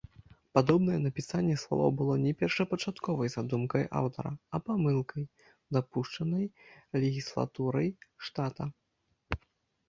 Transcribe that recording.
Падобнае напісанне слова было не першапачатковай задумкай аўтара, а памылкай, дапушчанай легіслатурай штата.